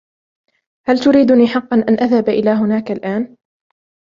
هل تريدني حقاً أن أذهب إلى هناك الأن؟